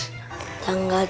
nih nih nih tanggal tiga belas